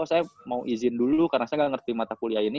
saya mau izin dulu karena saya nggak ngerti mata kuliah ini